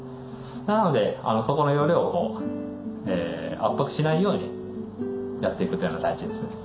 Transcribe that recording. なのでそこの容量を圧迫しないようにやっていくというのは大事ですね。